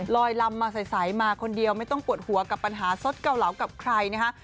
ลอยลำมาใสมาคนเดียวไม่ต้องปวดหัวกับปัญหาสดเกาเหลากับใครนะคะ